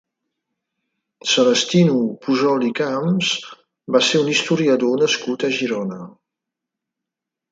Celestino Pujol i Camps va ser un historiador nascut a Girona.